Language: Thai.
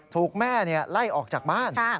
ถูกแม่ไล่ออกจากบ้าน